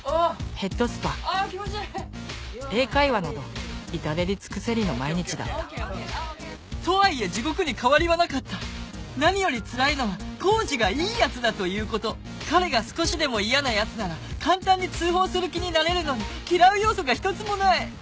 ヘッドスパ英会話など至れり尽くせりの毎日だったとはいえ地獄に変わりはなかった何よりつらいのは浩二がいいやつだということ彼が少しでも嫌なやつなら簡単に通報する気になれるのに嫌う要素が１つもない